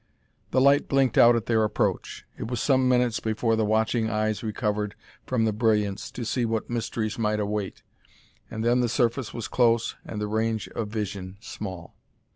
The light blinked out at their approach. It was some minutes before the watching eyes recovered from the brilliance to see what mysteries might await, and then the surface was close and the range of vision small.